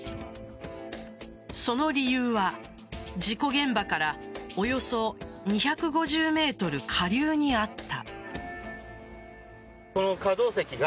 その理由は事故現場からおよそ２５０ｍ下流にあった。